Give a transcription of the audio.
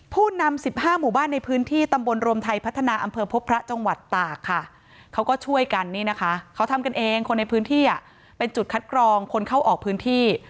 ผู้นำ๑๕หมู่บ้านในพื้นที่ตำบลรวมไทยพัฒนาอำเภอพบพระจังหวัดตากค่ะเขาก็ช่วยกันนี่นะคะเขาทำกันเองคนในพื้นที่เป็นจุดคัดกรองคนเข้าออกพื้นที่